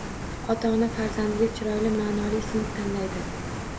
Ota-ona farzandiga chiroyli, ma’noli ism tanlaydi.